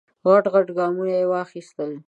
غټ غټ ګامونه یې واخیستل.